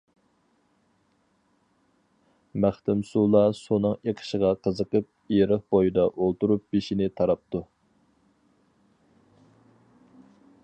مەختۇمسۇلا سۇنىڭ ئېقىشىغا قىزىقىپ، ئېرىق بۇيىدا ئولتۇرۇپ بېشىنى تاراپتۇ.